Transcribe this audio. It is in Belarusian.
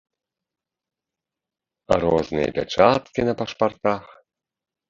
Розныя пячаткі на пашпартах.